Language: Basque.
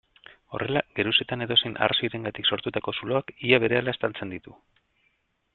Horrela, geruzetan edozein arrazoirengatik sortutako zuloak ia berehala estaltzen ditu.